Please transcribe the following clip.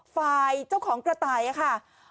ไฟล์เจ้าของกระไต่ค่ะ